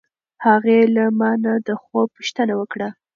هغې له ما نه د خوب پوښتنه وکړه.